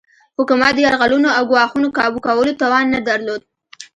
حکومت د یرغلونو او ګواښونو کابو کولو توان نه درلود.